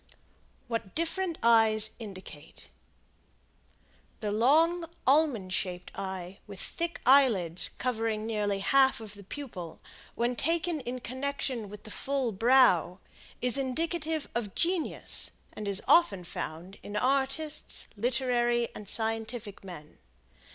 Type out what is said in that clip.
WHAT DIFFERENT EYES INDICATE. The long, almond shaped eye with thick eyelids covering nearly half of the pupil, when taken in connection with the full brow, is indicative of genius, and is often found in artists, literary and scientific men.